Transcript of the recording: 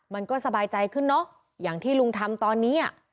มันก็สบายใจขึ้นเนอะอย่างที่ลุงทำตอนนี้อ่ะ